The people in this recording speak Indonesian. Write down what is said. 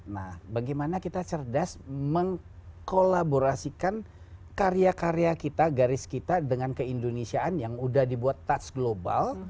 nah bagaimana kita cerdas mengkolaborasikan karya karya kita garis kita dengan keindonesiaan yang udah dibuat touch global